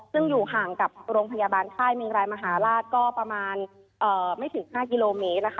ซึ่งอยู่ห่างกับโรงพยาบาลค่ายเมงรายมหาราชก็ประมาณไม่ถึง๕กิโลเมตรนะคะ